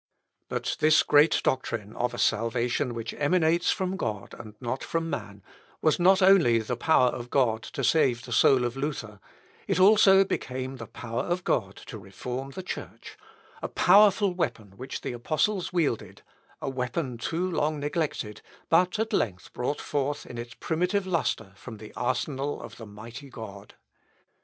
But this great doctrine of a salvation which emanates from God and not from man, was not only the power of God to save the soul of Luther, it also became the power of God to reform the Church; a powerful weapon which the apostles wielded, a weapon too long neglected, but at length brought forth in its primitive lustre from the arsenal of the mighty God.